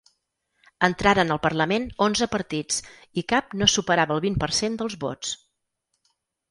Entraren al parlament onze partits i cap no superava el vint per cent dels vots.